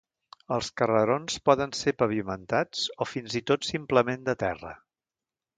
Els carrerons poden ser pavimentats, o fins i tot simplement de terra.